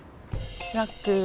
ラッキー！